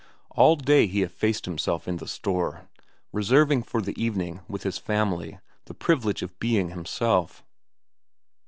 All day he effaced himself in the store, reserving for the evening, with his family, the privilege of being himself.